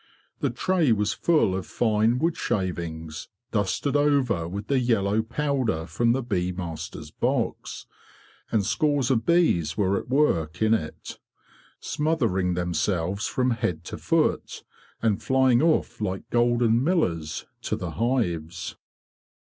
The tray was full of fine wood shavings, dusted over with the yellow powder from the bee master's box; and scores of bees were at work in it, smothering themselves from head to foot, and flying off like golden millers to the hives.